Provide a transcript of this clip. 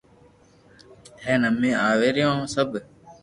ھين امي اووي رھيو سب